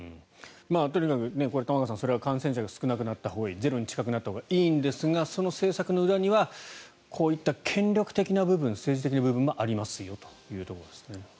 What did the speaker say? とにかく玉川さん感染者が少なくなったほうがいいゼロに近くなったほうがいいんですがその政策の裏にはこういった権力的な部分政治的部分もありますよというところですね。